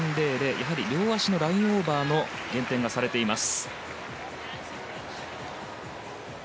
やはり両足のラインオーバーの減点がされています。